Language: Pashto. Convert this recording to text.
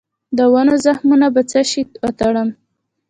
د ونو زخمونه په څه شي وتړم؟